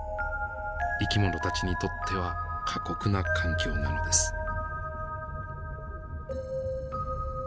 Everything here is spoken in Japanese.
生き物たちにとっては過酷な環境なのです。